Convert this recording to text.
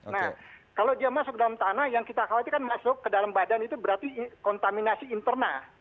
nah kalau dia masuk ke dalam tanah yang kita khawatir kan masuk ke dalam badan itu berarti kontaminasi interna